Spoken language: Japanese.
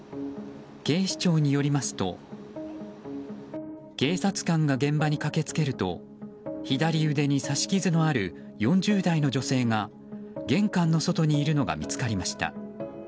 警視庁によりますと警察官が現場に駆けつけると左腕に刺し傷のある４０代の女性が玄関の外にいるのが見つかりました。